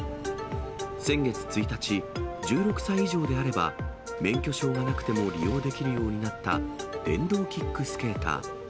先月１日、１６歳以上であれば、免許証がなくても利用できるようになった電動キックスケーター。